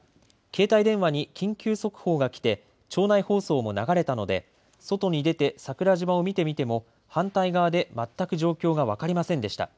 携帯電話に緊急速報が来て町内放送も流れたので、外に出て桜島を見てみても反対側で、全く状況が分かりませんでした。